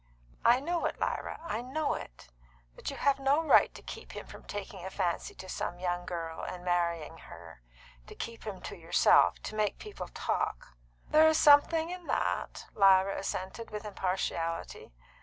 "I know it, Lyra I know it. But you have no right to keep him from taking a fancy to some young girl and marrying her; to keep him to yourself; to make people talk." "There's something in that," Lyra assented, with impartiality.